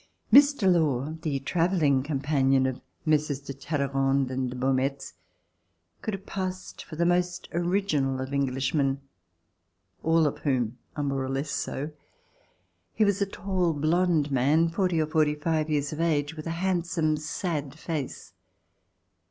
Mr. Law, the travelling companion of Messieurs de Talleyrand and de Beaumetz, could have passed for the most original of Englishmen, all of whom are more or less so. He was a tall blond man, forty or forty five years of age, with a handsome sad face.